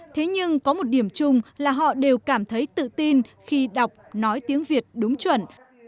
thế nhưng có một điểm chung là họ đều cảm thấy tự tin khi đọc nói tiếng việt đúng chuẩn